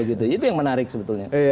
itu yang menarik sebetulnya